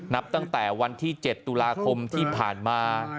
นับตั้งแต่วันที่๗ตุลาคมที่ผ่านมา